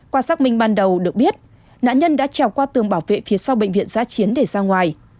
qua xác minh ban đầu được biết nạn nhân đã trèo qua tường bảo vệ phía sau bệnh viện giá chiến để ra ngoài